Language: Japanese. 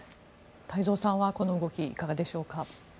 太蔵さんはこの動きいかがでしょうか。